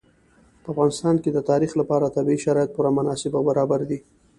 په افغانستان کې د تاریخ لپاره طبیعي شرایط پوره مناسب او برابر دي.